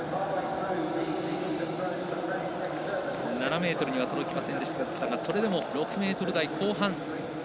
７ｍには届きませんでしたがそれでも６ｍ台後半。